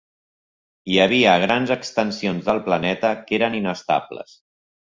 Hi havia grans extensions del planeta que eren inestables.